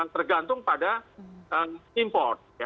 tergantung pada import